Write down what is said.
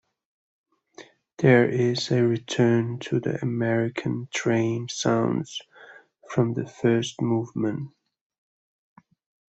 There is a return to the American train sounds from the first movement.